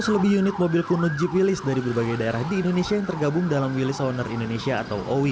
seratus lebih unit mobil kuno jeep wills dari berbagai daerah di indonesia yang tergabung dalam wills owner indonesia atau oi